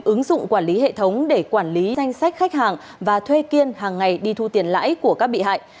ứng dụng quản lý hệ thống để quản lý danh sách khách hàng và thuê kiên hàng ngày đi thu tiền lãi của các bị hại